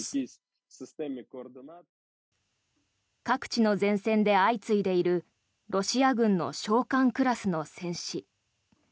各地の前線で相次いでいるロシア軍の将官クラスの戦死。